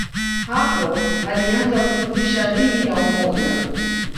Hapo alianza kufundisha dini ya umoja.